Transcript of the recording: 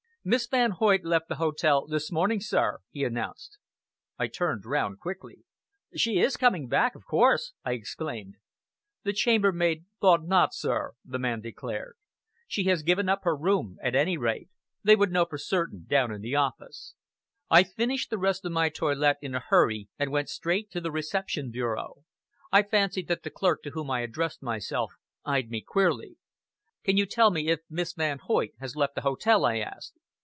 "Miss Van Hoyt left the hotel this morning, sir," he announced. I turned round quickly. "She is coming back, of course!" I exclaimed. "The chambermaid thought not, sir," the man declared. "She has given up her room, at any rate. They would know for certain down in the office." I finished the rest of my toilet in a hurry, and went straight to the reception bureau. I fancied that the clerk to whom I addressed myself eyed me queerly. "Can you tell me if Miss Van Hoyt has left the hotel?" I asked.